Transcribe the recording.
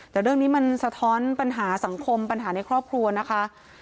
แต่เรื่องนี้มันสะท้อนปัญหาสังคมปัญหาในครอบครัวนะคะ